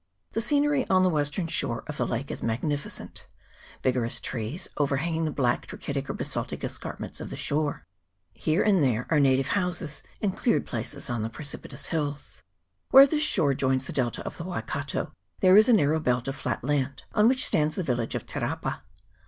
The scenery on the western shore of the lake is magnificent, vigorous trees overhanging the black trachitic or basaltic escarpments of the shore : here and there are native houses and cleared places on the precipitous hills. Where this shore joins the delta of the Waikato there is a narrow belt of flat land, on which stands the village of Te rapa.